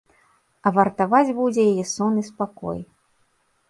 А вартаваць будзе яе сон і спакой!